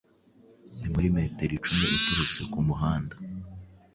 ni muri metero icumi uturutse ku muhanda